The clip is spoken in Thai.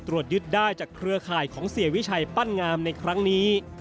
ยึดได้จากเครือข่ายของเสียวิชัยปั้นงามในครั้งนี้